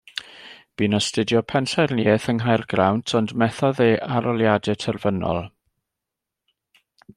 Bu'n astudio pensaernïaeth yng Nghaergrawnt ond methodd ei arholiadau terfynol.